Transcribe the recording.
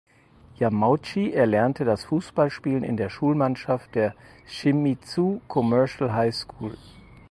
Yamauchi erlernte das Fußballspielen in der Schulmannschaft der "Shimizu Commercial High School".